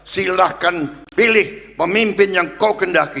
silahkan pilih pemimpin yang kau kendaki